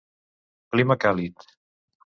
Clima càlid.